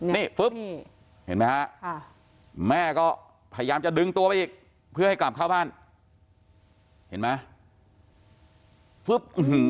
นี่ฟึ๊บเห็นไหมฮะแม่ก็พยายามจะดึงตัวไปอีกเพื่อให้กลับเข้าบ้านเห็นไหม